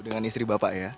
dengan istri bapak ya